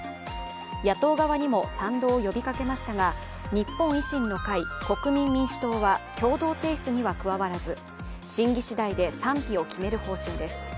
野党側にも賛同を呼びかけましたが、日本維新の会、国民党は共同提出には加わらず審議しだいで賛否を決める方針です。